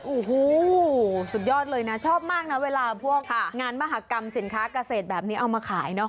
โอ้โหสุดยอดเลยนะชอบมากนะเวลาพวกงานมหากรรมสินค้าเกษตรแบบนี้เอามาขายเนาะ